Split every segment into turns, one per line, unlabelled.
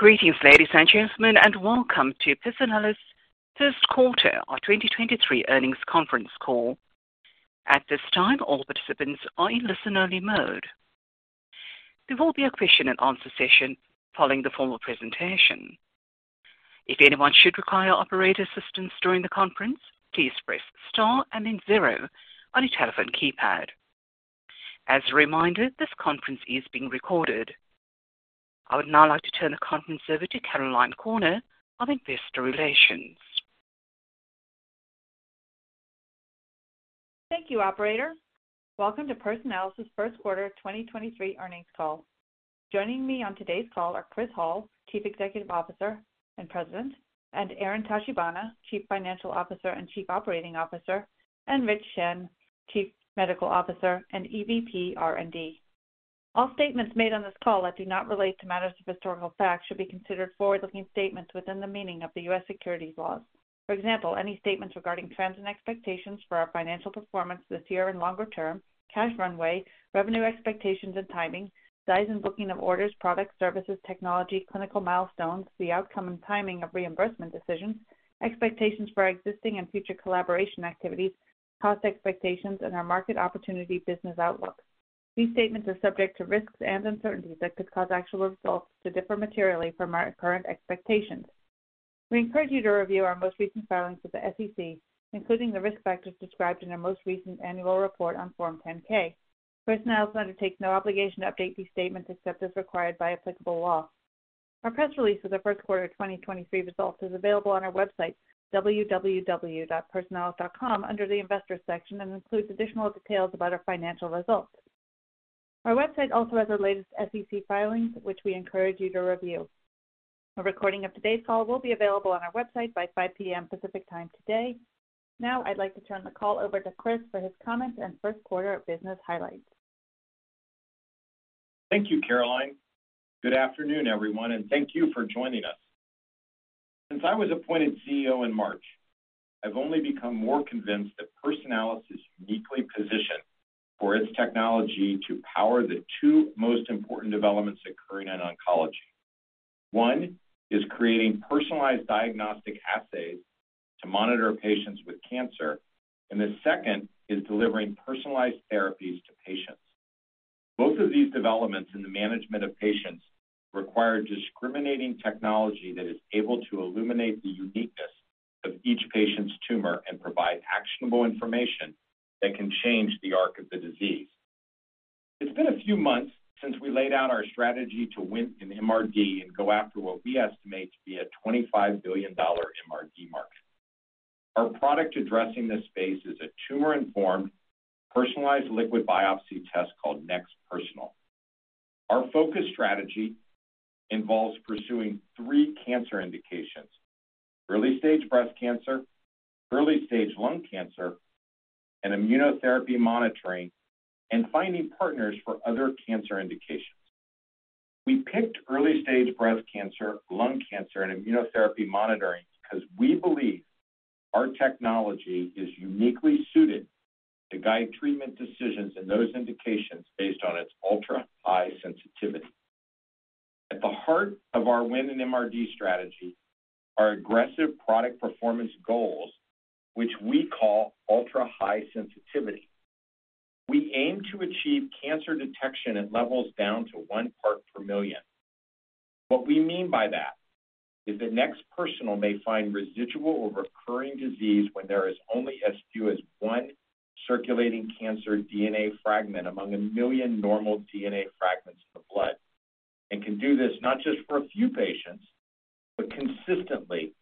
Greetings, ladies and gentlemen, welcome to Personalis first quarter of 2023 earnings conference call. At this time, all participants are in listen-only mode. There will be a question and answer session following the formal presentation. If anyone should require operator assistance during the conference, please press Star and then 0 on your telephone keypad. As a reminder, this conference is being recorded. I would now like to turn the conference over to Caroline Corner of Investor Relations.
Thank you, operator. Welcome to Personalis' first quarter 2023 earnings call. Joining me on today's call are Chris Hall, Chief Executive Officer and President, Aaron Tachibana, Chief Financial Officer and Chief Operating Officer, and Rich Chen, Chief Medical Officer and EVP, R&D. All statements made on this call that do not relate to matters of historical fact should be considered forward-looking statements within the meaning of the U.S. securities laws. For example, any statements regarding trends and expectations for our financial performance this year and longer-term, cash runway, revenue expectations and timing, size and booking of orders, products, services, technology, clinical milestones, the outcome and timing of reimbursement decisions, expectations for our existing and future collaboration activities, cost expectations, and our market opportunity business outlook. These statements are subject to risks and uncertainties that could cause actual results to differ materially from our current expectations. We encourage you to review our most recent filings with the SEC, including the risk factors described in our most recent annual report on Form 10-K. Personalis undertakes no obligation to update these statements except as required by applicable law. Our press release for the first quarter of 2023 results is available on our website, www.personalis.com, under the investor section, and includes additional details about our financial results. Our website also has our latest SEC filings, which we encourage you to review. A recording of today's call will be available on our website by 5:00 P.M. Pacific Time today. Now, I'd like to turn the call over to Chris for his comments and first quarter business highlights.
Thank you, Caroline. Good afternoon, everyone, and thank you for joining us. Since I was appointed CEO in March, I've only become more convinced that Personalis is uniquely positioned for its technology to power the two most important developments occurring in oncology. One is creating personalized diagnostic assays to monitor patients with cancer, the second is delivering personalized therapies to patients. Both of these developments in the management of patients require discriminating technology that is able to illuminate the uniqueness of each patient's tumor and provide actionable information that can change the arc of the disease. It's been a few months since we laid out our strategy to win in MRD and go after what we estimate to be a $25 billion MRD market. Our product addressing this space is a tumor-informed personalized liquid biopsy test called NeXT Personal. Our focus strategy involves pursuing three cancer indications: early-stage breast cancer, early-stage lung cancer, and immunotherapy monitoring, and finding partners for other cancer indications. We picked early-stage breast cancer, lung cancer, and immunotherapy monitoring because we believe our technology is uniquely suited to guide treatment decisions in those indications based on its ultra-high sensitivity. At the heart of our win in MRD strategy are aggressive product performance goals, which we call ultra-high sensitivity. We aim to achieve cancer detection at levels down to one part per million. What we mean by that is that NeXT Personal may find residual or recurring disease when there is only as few as one circulating cancer DNA fragment among 1 million normal DNA fragments in the blood, and can do this not just for a few patients, but consistently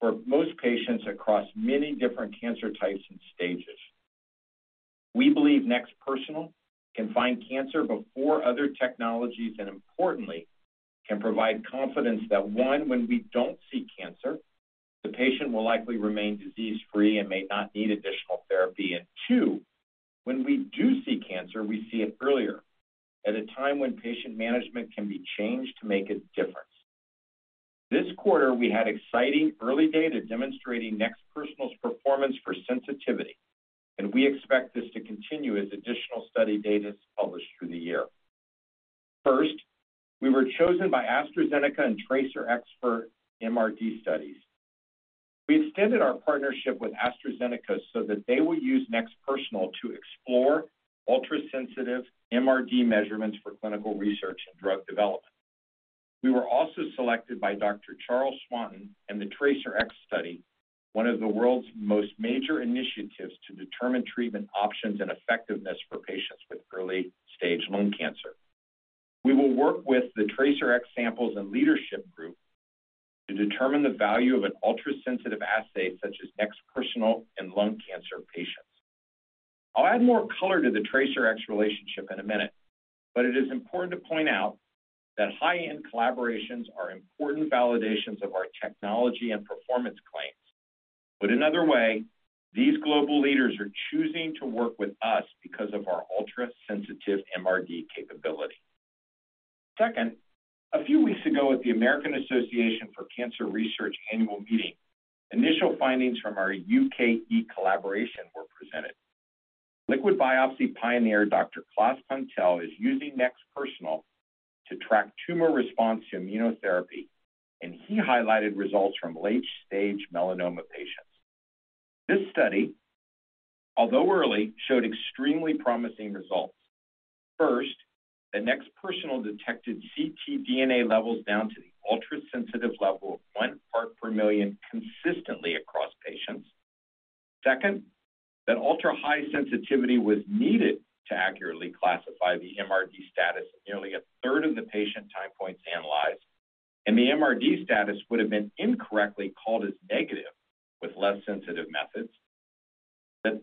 for most patients across many different cancer types and stages. We believe NeXT Personal can find cancer before other technologies and importantly, can provide confidence that, one, when we don't see cancer, the patient will likely remain disease-free and may not need additional therapy. Two, when we do see cancer, we see it earlier, at a time when patient management can be changed to make a difference. This quarter, we had exciting early data demonstrating NeXT Personal's performance for sensitivity, and we expect this to continue as additional study data is published through the year. First, we were chosen by AstraZeneca and TRACERx for MRD studies. We extended our partnership with AstraZeneca so that they will use NeXT Personal to explore ultrasensitive MRD measurements for clinical research and drug development. We were also selected by Dr. Charles Swanton and the TRACERx study, one of the world's most major initiatives to determine treatment options and effectiveness for patients with early-stage lung cancer. We will work with the TRACERx samples and leadership group to determine the value of an ultrasensitive assay such as NeXT Personal in lung cancer patients. I'll add more color to the TRACERx relationship in a minute. It is important to point out that high-end collaborations are important validations of our technology and performance claims. Put another way, these global leaders are choosing to work with us because of our ultrasensitive MRD capability. Second, a few weeks ago at the American Association for Cancer Research annual meeting, initial findings from our UKE collaboration were presented. Liquid biopsy pioneer Dr. Klaus Pantel is using NeXT Personal to track tumor response to immunotherapy. He highlighted results from late-stage melanoma patients. This study, although early, showed extremely promising results. First, the NeXT Personal detected ctDNA levels down to the ultrasensitive level of 1 part per million consistently across patients. Second, that ultra-high sensitivity was needed to accurately classify the MRD status of nearly a third of the patient time points analyzed, and the MRD status would have been incorrectly called as negative with less sensitive methods.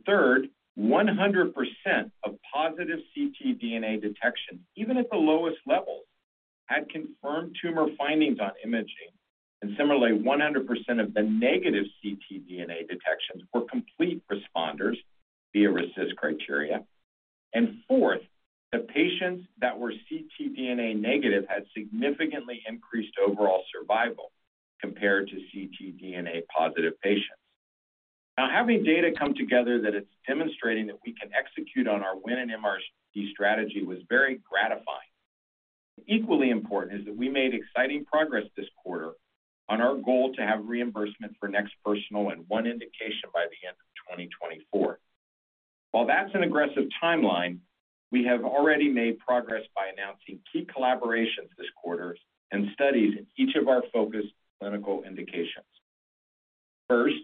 Third, 100% of positive ctDNA detection, even at the lowest levels, had confirmed tumor findings on imaging, and similarly, 100% of the negative ctDNA detections were complete responders via RECIST criteria. Fourth, the patients that were ctDNA negative had significantly increased overall survival compared to ctDNA-positive patients. Now, having data come together that it's demonstrating that we can execute on our win and MRD strategy was very gratifying. Equally important is that we made exciting progress this quarter on our goal to have reimbursement for NeXT Personal and one indication by the end of 2024. While that's an aggressive timeline, we have already made progress by announcing key collaborations this quarter and studies in each of our focused clinical indications. First,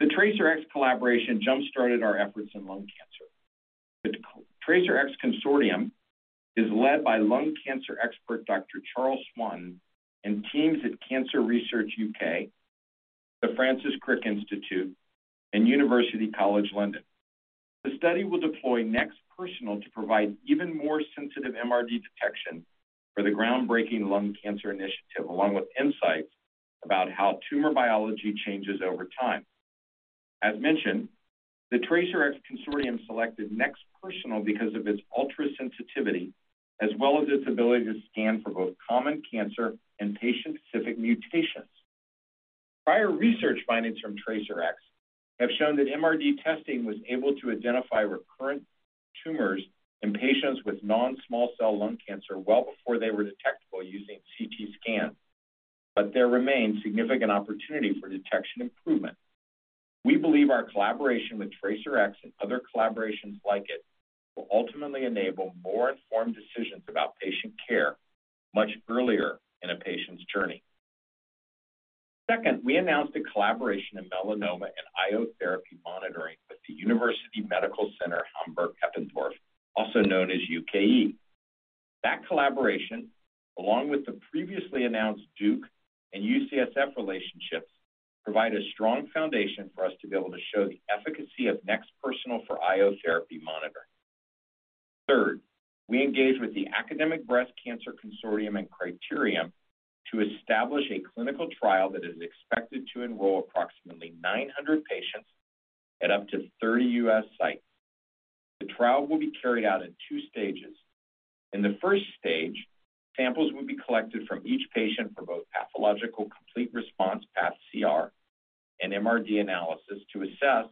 the TRACERx collaboration jump-started our efforts in lung cancer. The TRACERx consortium is led by lung cancer expert Dr. Charles Swanton and teams at Cancer Research UK, The Francis Crick Institute, and University College London. The study will deploy NeXT Personal to provide even more sensitive MRD detection for the groundbreaking lung cancer initiative, along with insights about how tumor biology changes over time. As mentioned, the TRACERx consortium selected NeXT Personal because of its ultrasensitivity, as well as its ability to scan for both common cancer and patient-specific mutations. Prior research findings from TRACERx have shown that MRD testing was able to identify recurrent tumors in patients with non-small cell lung cancer well before they were detectable using CT scans. There remains significant opportunity for detection improvement. We believe our collaboration with TRACERx and other collaborations like it will ultimately enable more informed decisions about patient care much earlier in a patient's journey. Second, we announced a collaboration in melanoma and IO therapy monitoring with the University Medical Center Hamburg-Eppendorf, also known as UKE. That collaboration, along with the previously announced Duke and UCSF relationships, provide a strong foundation for us to be able to show the efficacy of NeXT Personal for IO therapy monitoring. Third, we engaged with the Academic Breast Cancer Consortium and Criterium to establish a clinical trial that is expected to enroll approximately 900 patients at up to 30 U.S. sites. The trial will be carried out in 2 stages. In the first stage, samples will be collected from each patient for both pathologic complete response, path CR, and MRD analysis to assess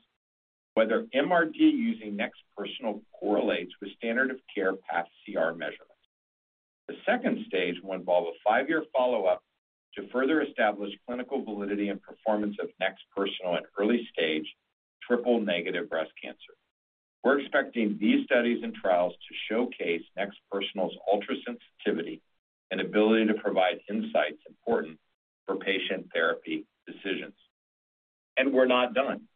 whether MRD using NeXT Personal correlates with standard of care path CR measurements. The second stage will involve a 5-year follow-up to further establish clinical validity and performance of NeXT Personal at early stage triple-negative breast cancer. We're expecting these studies and trials to showcase NeXT Personal's ultrasensitivity and ability to provide insights important for patient therapy decisions. We're not done.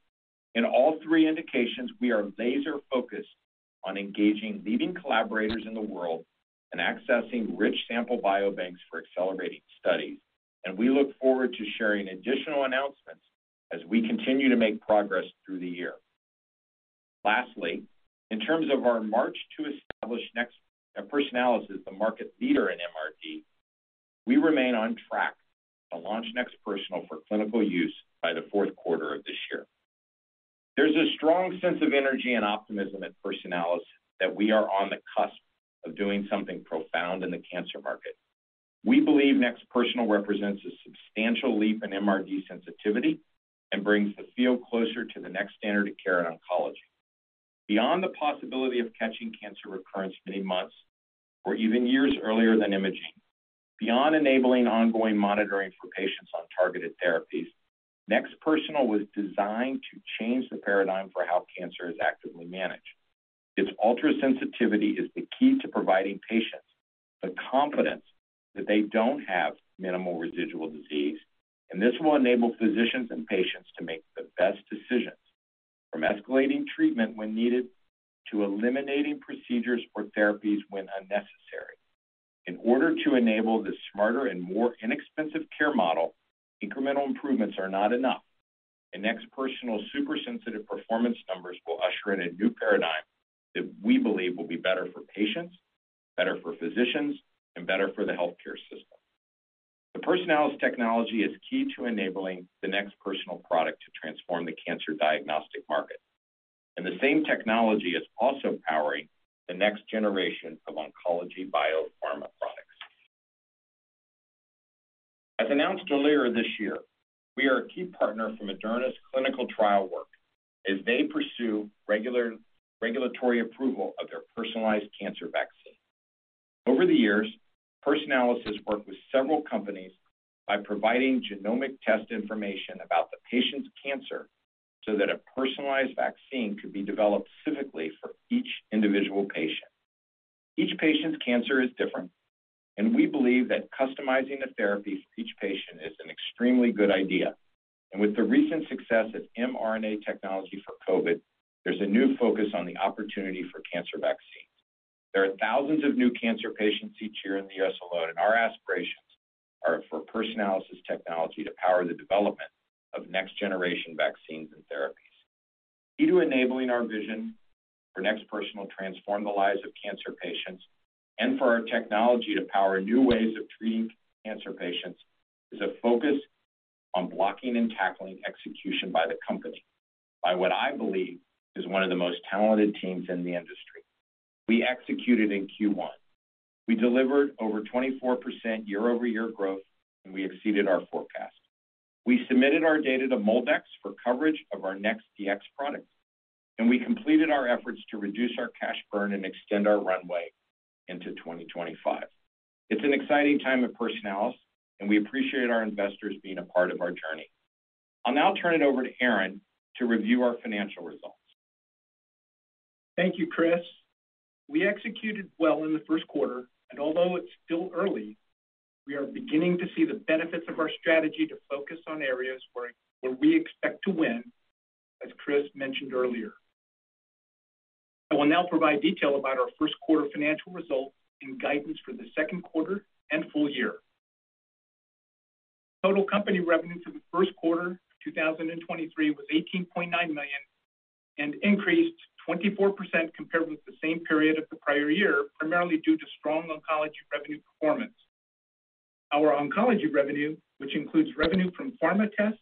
In all 3 indications, we are laser-focused on engaging leading collaborators in the world and accessing rich sample biobanks for accelerating studies, and we look forward to sharing additional announcements as we continue to make progress through the year. Lastly, in terms of our march to establish NeXT Personal as the market leader in MRD, we remain on track to launch NeXT Personal for clinical use by the fourth quarter of this year. There's a strong sense of energy and optimism at Personalis that we are on the cusp of doing something profound in the cancer market. We believe NeXT Personal represents a substantial leap in MRD sensitivity and brings the field closer to the next standard of care in oncology. Beyond the possibility of catching cancer recurrence many months or even years earlier than imaging, beyond enabling ongoing monitoring for patients on targeted therapies, NeXT Personal was designed to change the paradigm for how cancer is actively managed. Its ultrasensitivity is the key to providing patients the confidence that they don't have minimal residual disease, this will enable physicians and patients to make the best decisions from escalating treatment when needed to eliminating procedures or therapies when unnecessary. In order to enable this smarter and more inexpensive care model, incremental improvements are not enough, NeXT Personal's super sensitive performance numbers will usher in a new paradigm that we believe will be better for patients, better for physicians, and better for the healthcare system. The Personalis technology is key to enabling the NeXT Personal product to transform the cancer diagnostic market, the same technology is also powering the next generation of oncology biopharma products. As announced earlier this year, we are a key partner for Moderna's clinical trial work as they pursue regulatory approval of their personalized cancer vaccine. Over the years, Personalis worked with several companies by providing genomic test information about the patient's cancer so that a personalized vaccine could be developed specifically for each individual patient. Each patient's cancer is different, and we believe that customizing the therapy for each patient is an extremely good idea. With the recent success of mRNA technology for COVID, there's a new focus on the opportunity for cancer vaccines. There are thousands of new cancer patients each year in the U.S. alone, and our aspirations are for Personalis technology to power the development of next-generation vaccines and therapies. Key to enabling our vision for NeXT Personal to transform the lives of cancer patients and for our technology to power new ways of treating cancer patients is a focus on blocking and tackling execution by the company by what I believe is one of the most talented teams in the industry. We executed in Q1. We delivered over 24% year-over-year growth. We exceeded our forecast. We submitted our data to MolDX for coverage of our NeXT Dx product. We completed our efforts to reduce our cash burn and extend our runway into 2025. It's an exciting time at Personalis. We appreciate our investors being a part of our journey. I'll now turn it over to Aaron to review our financial results.
Thank you, Chris. We executed well in the first quarter, and although it's still early, we are beginning to see the benefits of our strategy to focus on areas where we expect to win, as Chris mentioned earlier. I will now provide detail about our first quarter financial results and guidance for the second quarter and full year. Total company revenue for the first quarter of 2023 was $18.9 million and increased 24% compared with the same period of the prior year, primarily due to strong oncology revenue performance. Our oncology revenue, which includes revenue from pharma tests,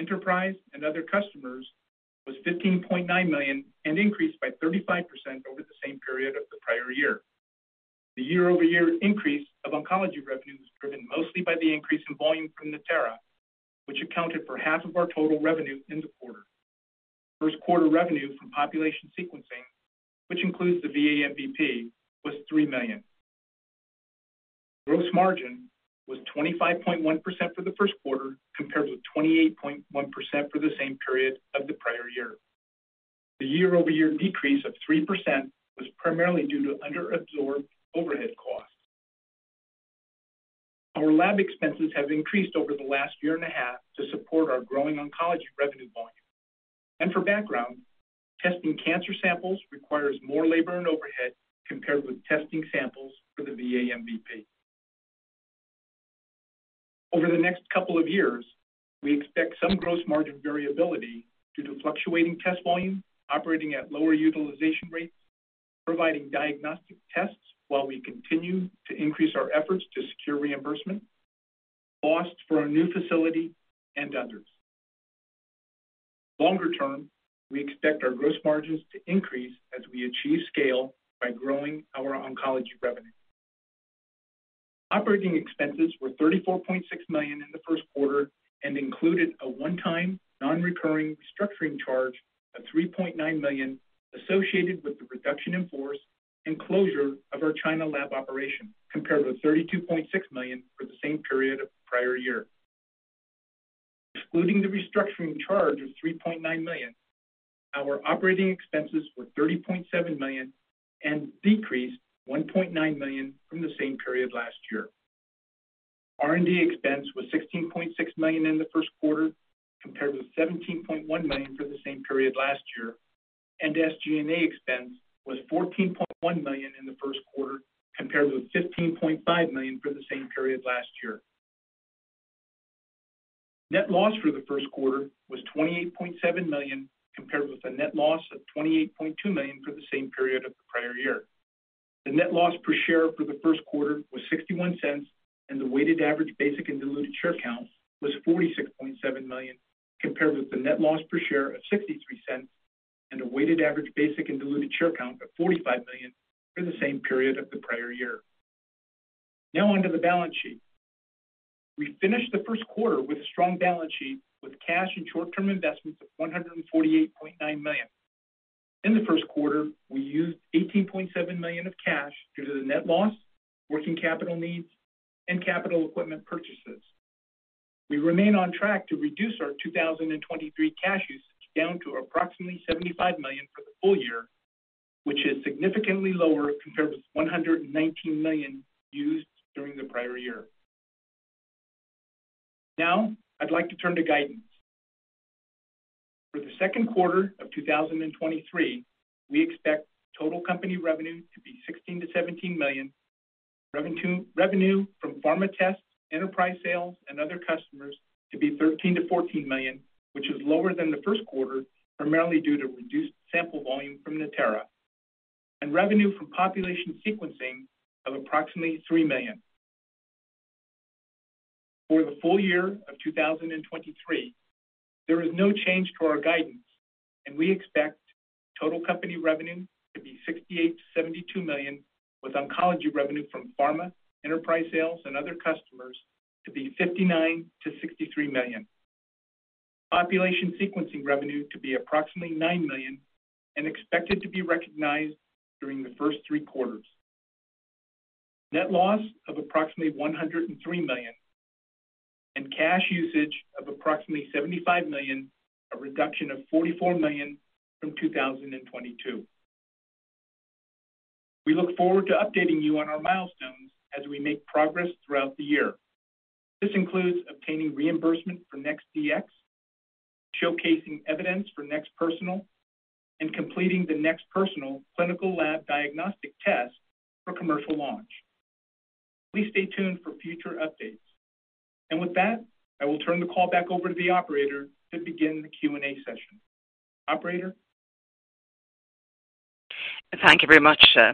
enterprise, and other customers, was $15.9 million and increased by 35% over the same period of the prior year. The year-over-year increase of oncology revenue was driven mostly by the increase in volume from Natera, which accounted for half of our total revenue in the quarter. First quarter revenue from population sequencing, which includes the VA MVP, was $3 million. Gross margin was 25.1% for the first quarter, compared with 28.1% for the same period of the prior year. The year-over-year decrease of 3% was primarily due to under-absorbed overhead costs. Our lab expenses have increased over the last year and a half to support our growing oncology revenue volume. For background, testing cancer samples requires more labor and overhead compared with testing samples for the VA MVP. Over the next couple of years, we expect some gross margin variability due to fluctuating test volume, operating at lower utilization rates, providing diagnostic tests while we continue to increase our efforts to secure reimbursement, costs for a new facility and others. Longer term, we expect our gross margins to increase as we achieve scale by growing our oncology revenue. Operating expenses were $34.6 million in the first quarter and included a one-time non-recurring restructuring charge of $3.9 million associated with the reduction in force and closure of our China lab operation, compared with $32.6 million for the same period of the prior year. Excluding the restructuring charge of $3.9 million, our operating expenses were $30.7 million and decreased $1.9 million from the same period last year. R&D expense was $16.6 million in the first quarter, compared with $17.1 million for the same period last year, and SG&A expense was $14.1 million in the first quarter, compared with $15.5 million for the same period last year. Net loss for the first quarter was $28.7 million, compared with a net loss of $28.2 million for the same period of the prior year. The net loss per share for the first quarter was $0.61, and the weighted average basic and diluted share count was 46.7 million, compared with the net loss per share of $0.63 and a weighted average basic and diluted share count of 45 million for the same period of the prior year. Now on to the balance sheet. We finished the first quarter with a strong balance sheet with cash and short-term investments of $148.9 million. In the first quarter, we used $18.7 million of cash due to the net loss, working capital needs, and capital equipment purchases. We remain on track to reduce our 2023 cash usage down to approximately $75 million for the full year, which is significantly lower compared with $119 million used during the prior year. I'd like to turn to guidance. For the second quarter of 2023, we expect total company revenue to be $16 million-$17 million. Revenue from pharma tests, enterprise sales, and other customers to be $13 million-$14 million, which is lower than the first quarter, primarily due to reduced sample volume from Natera. Revenue from population sequencing of approximately $3 million. For the full year of 2023, there is no change to our guidance. We expect total company revenue to be $68 million-$72 million, with oncology revenue from pharma, enterprise sales, and other customers to be $59 million-$63 million. Population sequencing revenue to be approximately $9 million and expected to be recognized during the first three quarters. Net loss of approximately $103 million and cash usage of approximately $75 million, a reduction of $44 million from 2022. We look forward to updating you on our milestones as we make progress throughout the year. This includes obtaining reimbursement for NeXT Dx, showcasing evidence for NeXT Personal, and completing the NeXT Personal Dx for commercial launch. Please stay tuned for future updates. With that, I will turn the call back over to the operator to begin the Q&A session. Operator.
Thank you very much, sir.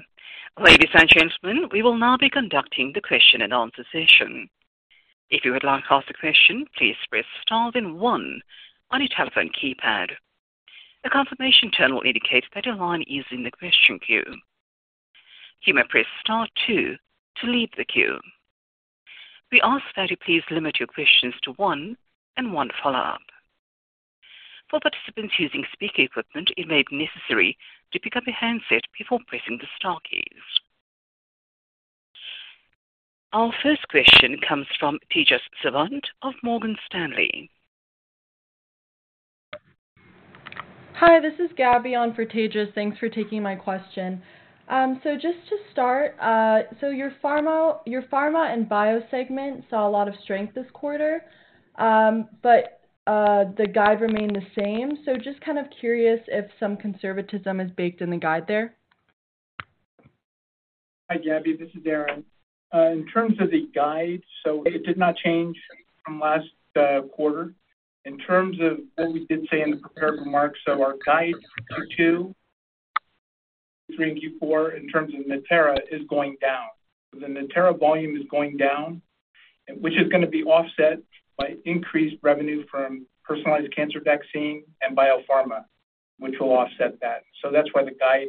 Ladies and gentlemen, we will now be conducting the question and answer session. If you would like to ask a question, please press star then one on your telephone keypad. A confirmation tone will indicate that your line is in the question queue. You may press star two to leave the queue. We ask that you please limit your questions to one and one follow-up. For participants using speaker equipment, it may be necessary to pick up a handset before pressing the star keys. Our first question comes from Tejas Savant of Morgan Stanley.
Hi, this is Gabby on for Tejas. Thanks for taking my question. Just to start, your pharma and bio segment saw a lot of strength this quarter, but the guide remained the same. Just kind of curious if some conservatism is baked in the guide there.
Hi, Gabby, this is Aaron. In terms of the guide, it did not change from last quarter. In terms of what we did say in the prepared remarks, our guide Q2, Q3, and Q4 in terms of Natera is going down. The Natera volume is going down, which is going to be offset by increased revenue from personalized cancer vaccine and biopharma, which will offset that. That's why the guide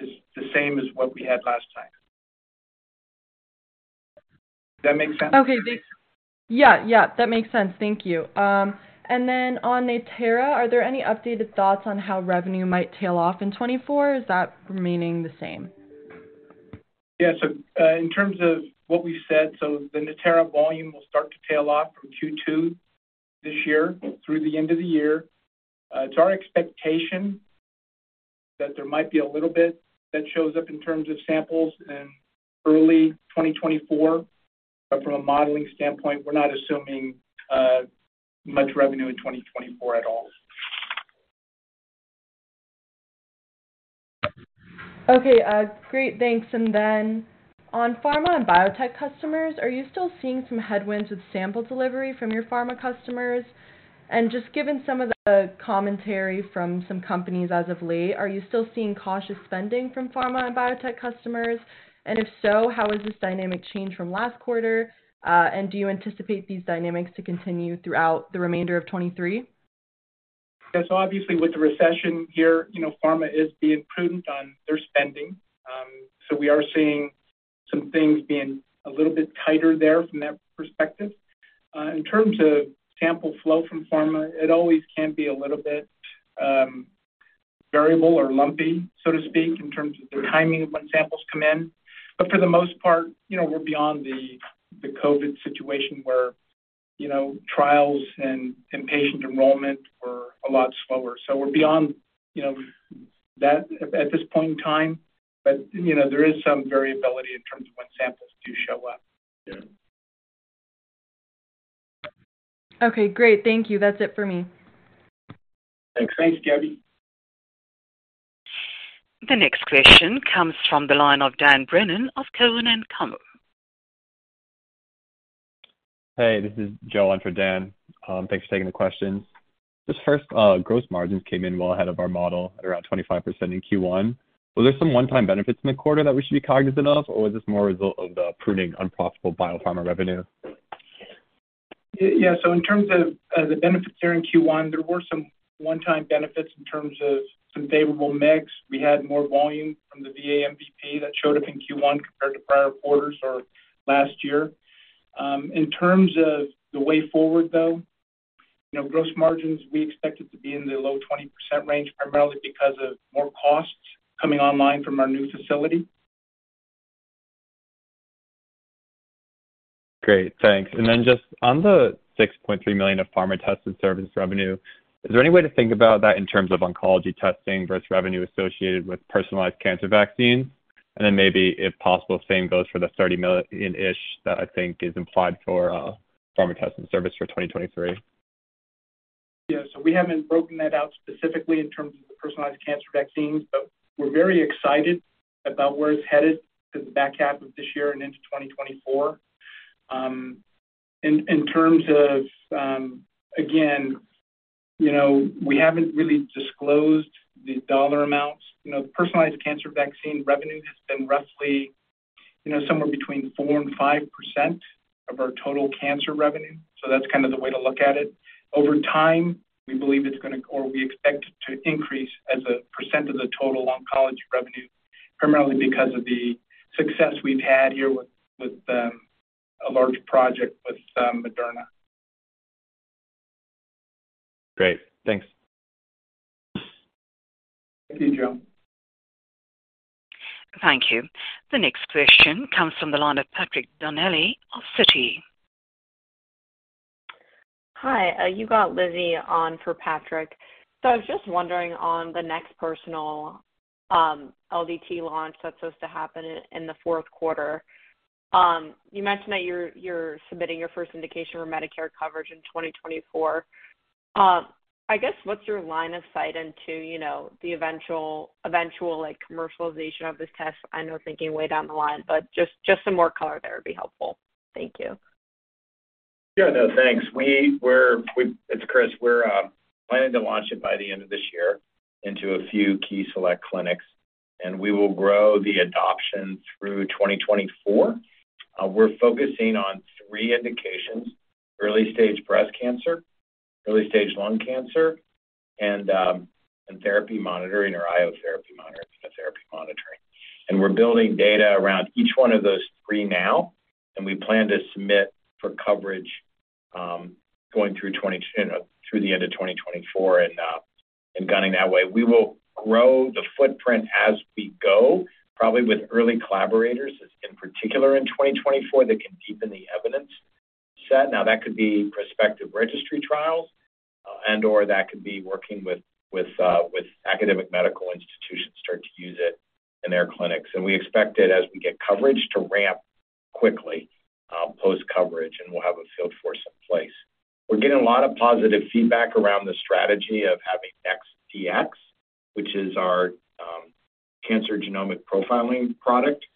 is the same as what we had last time. Does that make sense?
Okay. Yeah. Yeah, that makes sense. Thank you. On Natera, are there any updated thoughts on how revenue might tail off in 2024, or is that remaining the same?
In terms of what we said, so the Natera volume will start to tail off from Q2 this year through the end of the year. It's our expectation that there might be a little bit that shows up in terms of samples in early 2024. From a modeling standpoint, we're not assuming much revenue in 2024 at all.
Okay. Great, thanks. On pharma and biotech customers, are you still seeing some headwinds with sample delivery from your pharma customers? Just given some of the commentary from some companies as of late, are you still seeing cautious spending from pharma and biotech customers? If so, how has this dynamic changed from last quarter? Do you anticipate these dynamics to continue throughout the remainder of 2023?
Yeah. Obviously, with the recession here, you know, pharma is being prudent on their spending. We are seeing some things being a little bit tighter there from that perspective. In terms of sample flow from pharma, it always can be a little bit variable or lumpy, so to speak, in terms of the timing of when samples come in. For the most part, you know, we're beyond the COVID situation where, you know, trials and inpatient enrollment were a lot slower. We're beyond, you know, that at this point in time. You know, there is some variability in terms of when samples do show up.
Okay, great. Thank you. That's it for me.
Thanks, Gabby.
The next question comes from the line of Dan Brennan of Cowen and Company.
Hey, this is Joe on for Dan. Thanks for taking the questions. Just first, gross margins came in well ahead of our model at around 25% in Q1. Was there some one-time benefits in the quarter that we should be cognizant of, or was this more a result of the pruning unprofitable biopharma revenue?
Yeah. In terms of the benefits here in Q1, there were some one-time benefits in terms of some favorable mix. We had more volume from the VA MVP that showed up in Q1 compared to prior quarters or last year. In terms of the way forward, though, you know, gross margins, we expect it to be in the low 20% range, primarily because of more costs coming online from our new facility.
Great. Thanks. Just on the $6.3 million of pharma tests and service revenue, is there any way to think about that in terms of oncology testing versus revenue associated with personalized cancer vaccines? Maybe if possible, same goes for the $30 million-ish that I think is implied for pharma tests and service for 2023.
We haven't broken that out specifically in terms of the personalized cancer vaccines, but we're very excited about where it's headed for the back half of this year and into 2024. In terms of, again, you know, we haven't really disclosed the dollar amounts. You know, the personalized cancer vaccine revenue has been roughly, you know, somewhere between 4% and 5% of our total cancer revenue. That's kind of the way to look at it. Over time, we expect it to increase as a percent of the total oncology revenue, primarily because of the success we've had here with, a large project with, Moderna.
Great. Thanks.
Thank you, Joe.
Thank you. The next question comes from the line of Patrick Donnelly of Citi.
Hi. You got Lizzie on for Patrick. I was just wondering on the NeXT Personal LDT launch that's supposed to happen in the fourth quarter. You mentioned that you're submitting your first indication for Medicare coverage in 2024. I guess, what's your line of sight into, you know, the eventual, like, commercialization of this test? I know thinking way down the line, but just some more color there would be helpful. Thank you.
Yeah, no, thanks. It's Chris Hall. We're planning to launch it by the end of this year into a few key select clinics. We will grow the adoption through 2024. We're focusing on three indications: early-stage breast cancer, early-stage lung cancer, and therapy monitoring or IO therapy monitoring, immunotherapy monitoring. We're building data around each one of those three now. We plan to submit for coverage, you know, through the end of 2024 and gunning that way. We will grow the footprint as we go, probably with early collaborators, in particular in 2024 that can deepen the evidence set. That could be prospective registry trials and/or that could be working with academic medical institutions starting to use it in their clinics. We expect it, as we get coverage, to ramp quickly, post-coverage, and we'll have a field force in place. We're getting a lot of positive feedback around the strategy of having NeXT Dx, which is our cancer genomic profiling product, to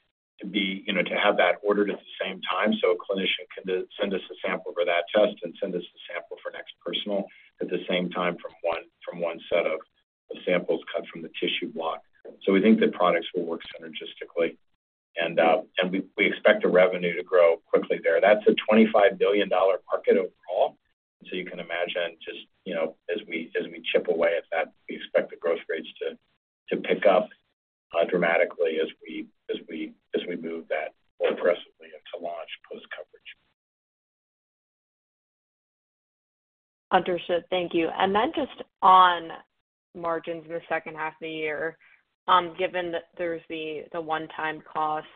be, you know, to have that ordered at the same time so a clinician can then send us a sample for that test and send us a sample for NeXT Personal at the same time from one set of samples cut from the tissue block. We think the products will work synergistically. We expect the revenue to grow quickly there. That's a $25 billion market overall. You can imagine just, you know, as we chip away at that, we expect the growth rates to pick up dramatically as we move that more aggressively into launch post-coverage.
Understood. Thank you. Then just on margins in the second half of the year, given that there's the one-time cost,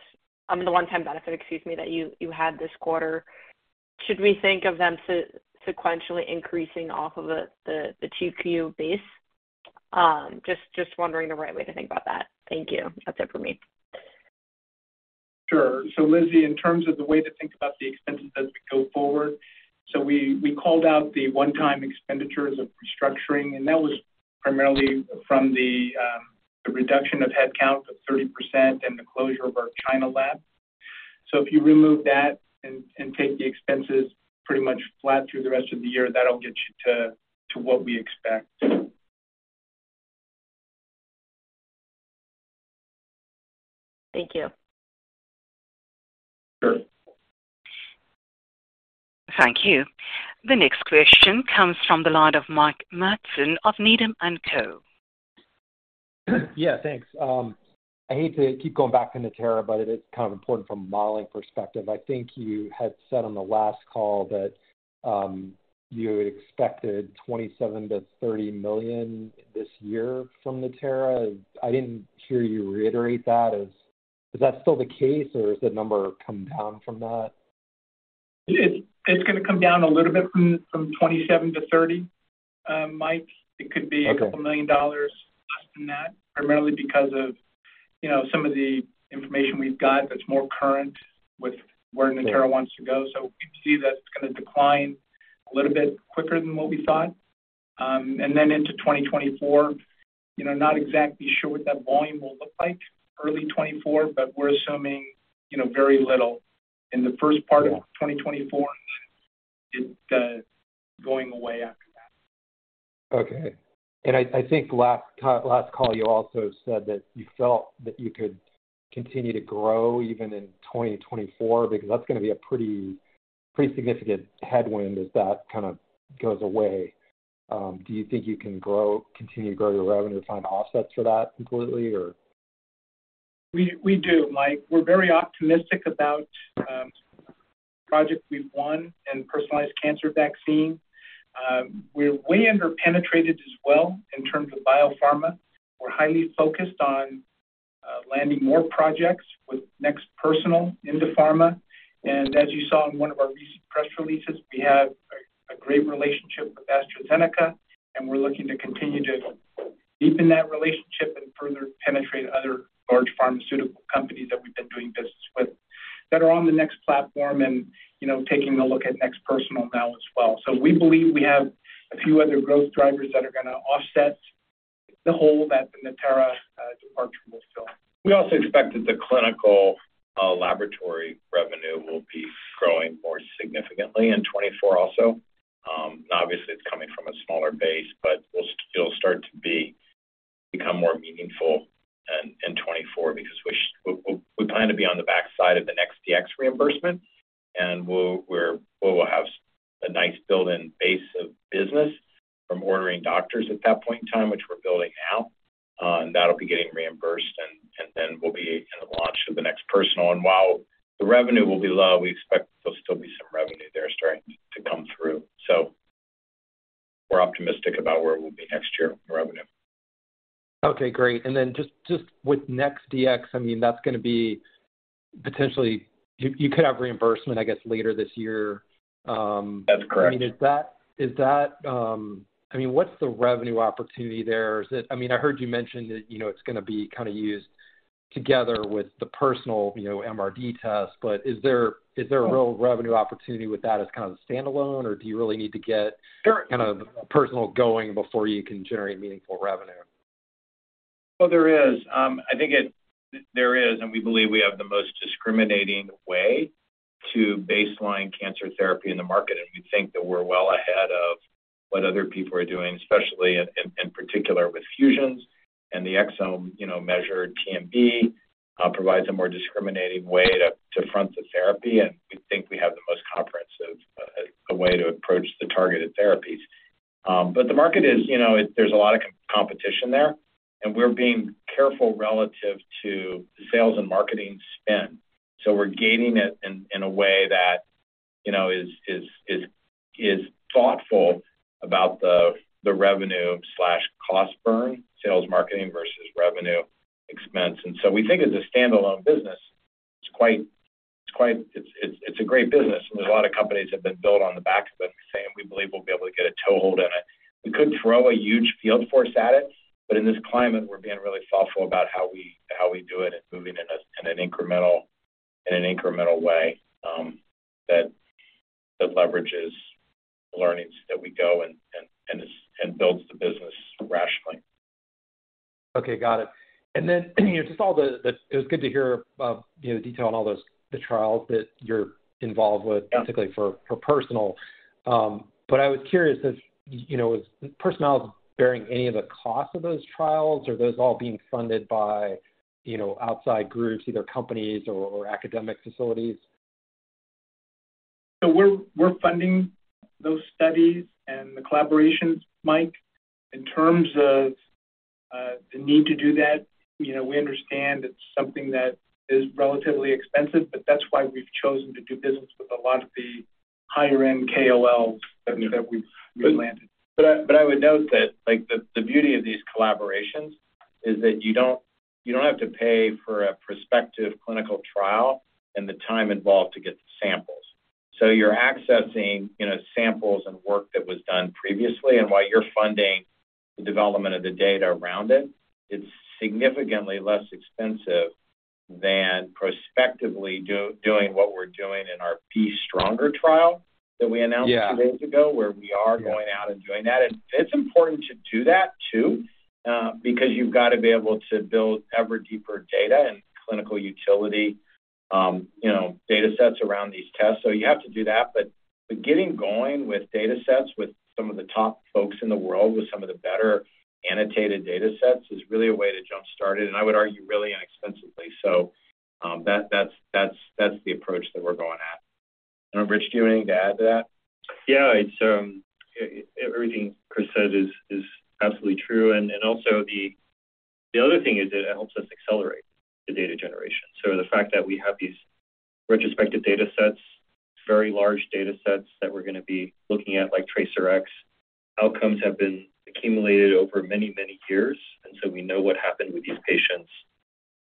the one-time benefit, excuse me, that you had this quarter, should we think of them sequentially increasing off of the TQ base? Just wondering the right way to think about that. Thank you. That's it for me.
Sure. Lizzie, in terms of the way to think about the expenses as we go forward, we called out the one-time expenditures of restructuring. That was primarily from the reduction of headcount of 30% and the closure of our China lab. If you remove that and take the expenses pretty much flat through the rest of the year, that'll get you to what we expect.
Thank you.
Sure.
Thank you. The next question comes from the line of Mike Madsen of Needham & Co.
Yeah, thanks. I hate to keep going back to Natera, but it is kind of important from a modeling perspective. I think you had said on the last call that you had expected $27 million-$30 million this year from Natera. I didn't hear you reiterate that. Is that still the case, or has that number come down from that?
It's gonna come down a little bit from 27-30, Mike.
Okay.
It could be a couple million dollars less than that, primarily because of, you know, some of the information we've got that's more current with where Natera wants to go.
Sure.
We see that it's gonna decline a little bit quicker than what we thought. Then into 2024, you know, not exactly sure what that volume will look like early 2024, but we're assuming, you know, very little in the first part of 2024, and then it going away after that.
Okay. I think last call, you also said that you felt that you could continue to grow even in 2024, because that's gonna be a pretty significant headwind as that kinda goes away. Do you think you can continue to grow your revenue to find offsets for that completely or?
We do, Mike. We're very optimistic about projects we've won in personalized cancer vaccine. We're way underpenetrated as well in terms of biopharma. We're highly focused on landing more projects with NeXT Personal into pharma. As you saw in one of our recent press releases, we have a great relationship with AstraZeneca, and we're looking to continue to deepen that relationship and further penetrate other large pharmaceutical companies that we've been doing business with that are on the NeXT platform and, you know, taking a look at NeXT Personal now as well. We believe we have a few other growth drivers that are gonna offset the hole that the Natera departure will fill.
We also expect that the clinical laboratory revenue will be growing more significantly in 2024 also. Obviously, it's coming from a smaller base, but we'll still start to become more meaningful in 2024 because we plan to be on the back side of the NeXT Dx reimbursement, and we will have a nice build-in base of business from ordering doctors at that point in time, which we're building out. That'll be getting reimbursed and then we'll be in the launch of the NeXT Personal. While the revenue will be low, we expect there'll still be some revenue there starting to come through. We're optimistic about where we'll be next year with revenue.
Okay, great. Then just with NeXT Dx, I mean, that's going to be potentially... You could have reimbursement, I guess, later this year.
That's correct.
I mean, is that, I mean, what's the revenue opportunity there? Is it? I mean, I heard you mention that, you know, it's gonna be kinda used together with the personal, you know, MRD test. Is there a real revenue opportunity with that as kind of a standalone, or do you really need to?
Sure.
kind of Personalis going before you can generate meaningful revenue?
Well, there is. I think there is, and we believe we have the most discriminating way to baseline cancer therapy in the market. We think that we're well ahead of what other people are doing, especially in particular with fusions and the exome, you know, measured TMB provides a more discriminating way to front the therapy, and we think we have the most comprehensive way to approach the targeted therapies. The market is, you know, there's a lot of competition there, and we're being careful relative to sales and marketing spend. We're gaining it in a way that, you know, is thoughtful about the revenue/cost burn, sales marketing versus revenue expense. We think as a standalone business, it's quite... It's a great business. There's a lot of companies that have been built on the backs of it. We're saying we believe we'll be able to get a toehold in it. We could throw a huge field force at it. In this climate, we're being really thoughtful about how we do it and moving in an incremental way that leverages the learnings that we go and builds the business rationally.
Okay, got it. Then, you know, it was good to hear about, you know, detail on all those trials that you're involved with.
Yeah.
particularly for Personalis. I was curious if, you know, is Personalis bearing any of the cost of those trials, or are those all being funded by, you know, outside groups, either companies or academic facilities?
We're funding those studies and the collaborations, Mike. In terms of the need to do that, you know, we understand it's something that is relatively expensive, but that's why we've chosen to do business with a lot of the higher-end KOLs.
Yeah.
that we landed. I would note that, like, the beauty of these collaborations is that you don't have to pay for a prospective clinical trial and the time involved to get the samples. You're accessing, you know, samples and work that was done previously, and while you're funding the development of the data around it's significantly less expensive than prospectively doing what we're doing in our B-STRONGER trial that we announced...
Yeah.
Two days ago, where we are going out and doing that. It's important to do that too, because you've got to be able to build ever deeper data and clinical utility, you know, data sets around these tests. You have to do that. Getting going with data sets with some of the top folks in the world with some of the better annotated data sets is really a way to jump-start it, and I would argue really inexpensively. That's the approach that we're going at. I don't know, Rich, do you have anything to add to that?
It's everything Chris said is absolutely true, and also the other thing is that it helps us accelerate the data generation. The fact that we have these retrospective data sets, very large data sets that we're gonna be looking at, like TRACERx, outcomes have been accumulated over many, many years, and so we know what happened with these patients,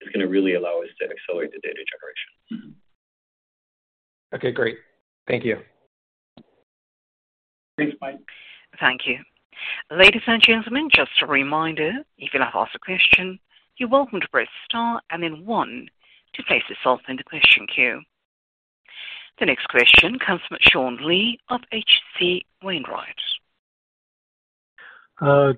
is gonna really allow us to accelerate the data generation.
Mm-hmm.
Okay, great. Thank you.
Thanks, Mike.
Thank you. Ladies and gentlemen, just a reminder, if you'd like to ask a question, you're welcome to press star and then one to place yourself in the question queue. The next question comes from Sean Lee of H.C. Wainwright.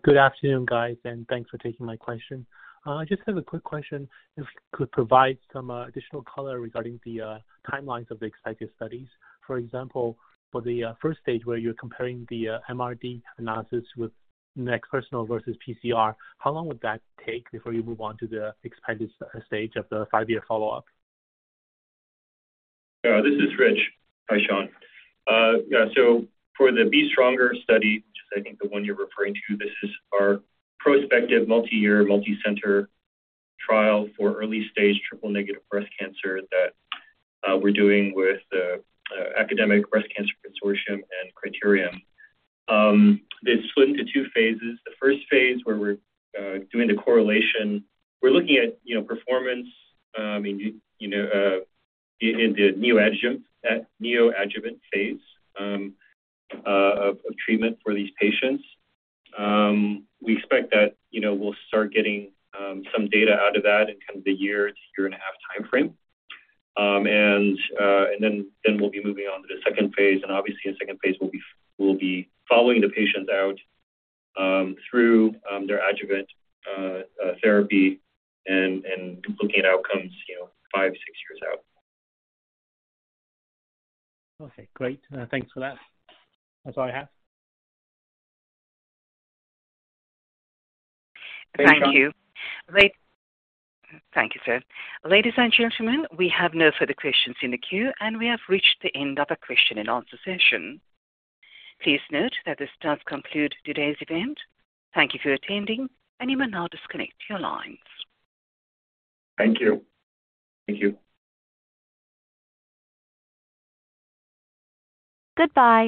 Good afternoon, guys, thanks for taking my question. I just have a quick question, if you could provide some additional color regarding the timelines of the excited studies. For example, for the first stage where you're comparing the MRD analysis with NeXT Personal versus PCR, how long would that take before you move on to the expanded stage of the 5-year follow-up?
This is Rich. Hi, Sean. For the B-STRONGER study, which is I think the one you're referring to, this is our prospective multi-year, multi-center trial for early-stage triple-negative breast cancer that we're doing with Academic Breast Cancer Consortium and Criterium. It's split into 2 phases. The first phase, where we're doing the correlation, we're looking at, you know, performance in, you know, in the neoadjuvant phase of treatment for these patients. We expect that, you know, we'll start getting some data out of that in kind of the year to year and a half timeframe. We'll be moving on to the second phase, and obviously the second phase will be following the patients out, through their adjuvant therapy and looking at outcomes, you know, five, six years out.
Okay, great. Thanks for that. That's all I have.
Thanks, Sean.
Thank you. Thank you, sir. Ladies and gentlemen, we have no further questions in the queue. We have reached the end of the question and answer session. Please note that this does conclude today's event. Thank you for attending. You may now disconnect your lines.
Thank you. Thank you.
Goodbye